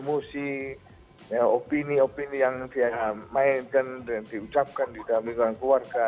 emosi opini opini yang dia mainkan dan diucapkan di dalam lingkungan keluarga